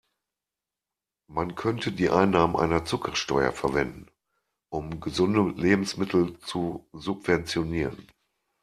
Man könnte die Einnahmen einer Zuckersteuer verwenden, um gesunde Lebensmittel zu subventionieren.